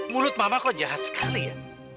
mulut mama kok jahat sekali ya